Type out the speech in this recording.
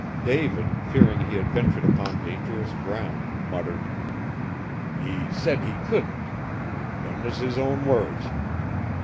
David, fearing he had ventured upon dangerous ground, muttered: "He said he couldn't! Them was his own words.